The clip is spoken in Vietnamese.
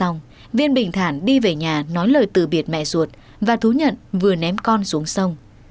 sau khi ném con ruột xuống sông viên bình thản đi về nhà nói lời từ biệt mẹ ruột và thú nhận vừa ném con xuống sông